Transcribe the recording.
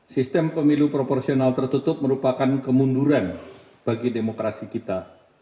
sistem pemilu proporsional tertutup merupakan kemunduran bagi demokrasi kita